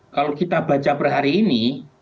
kalau kita baca per hari ini